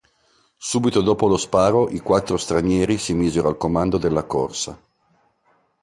Subito dopo lo sparo i quattro stranieri si misero al comando della corsa.